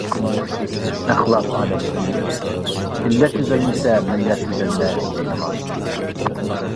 ‹ ‹ئەخلاق ئىنسان زىننىتى، ئىللەت تۈزەلمىسە مىللەت تۈزەلمەس› › دەيدىغان.